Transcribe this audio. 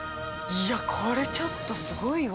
◆いや、これちょっと、すごいわ。